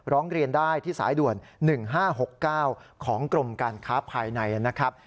ร้องเรียนได้ที่สายด่วน๑๕๖๙ของกรมการค้าภายในนะครับ